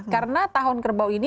karena tahun kerbau ini